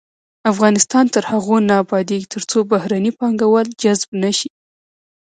افغانستان تر هغو نه ابادیږي، ترڅو بهرني پانګوال جذب نشي.